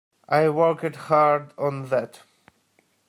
I worked hard on that!